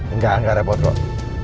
enggak enggak repot kok